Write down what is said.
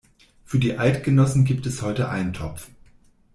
Für die Eidgenossen gibt es heute Eintopf.